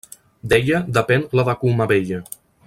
D'ella depèn la de Comabella.